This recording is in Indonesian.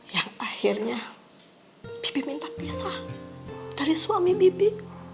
yang akhirnya bibi minta pisah dari suami bibi